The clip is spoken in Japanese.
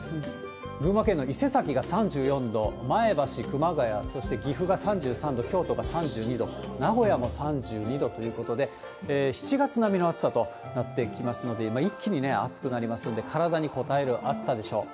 群馬県の伊勢崎が３４度、前橋、熊谷、そして岐阜が３３度、京都が３２度、名古屋も３２度ということで、７月並みの暑さとなってきますので、今、一気に暑くなりますんで、体にこたえる暑さでしょう。